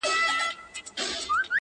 د امیدونو ساحل-